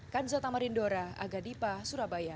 kanjotamarindora agadipa surabaya